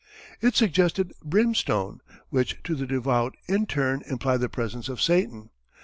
It suggested brimstone, which to the devout in turn implied the presence of Satan.